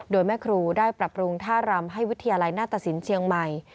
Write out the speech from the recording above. โดยแม่ครูได้ปรับปรุงท่ารำให้วิทยาลัยหน้าตสินเชียงใหม่